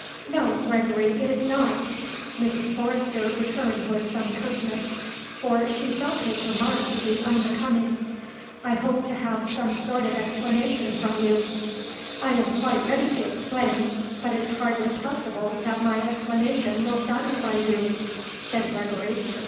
"No, Gregory; it is not," Mrs. Forrester returned with some terseness, for she felt his remark to be unbecoming. "I hope to have some sort of explanation from you." "I'm quite ready to explain; but it's hardly possible that my explanation will satisfy you," said Gregory.